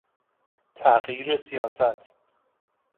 تغییر سیاست